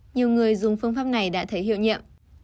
nhiều người dùng phương pháp này đã thấy hiệu nhiệm